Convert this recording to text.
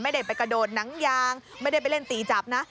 ไม่ได้ไปกระโดดหนังยางไม่ได้ไปเล่นตีจับนะ